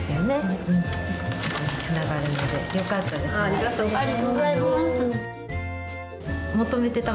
ありがとうございます。